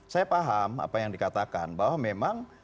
saya paham apa yang dikatakan bahwa memang